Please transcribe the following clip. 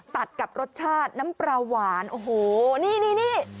ตัดกับรสชาติน้ำปลาหวานโอ้โหนี่นี่